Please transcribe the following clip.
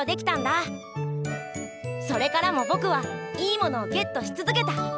それからもぼくはいいものをゲットし続けた。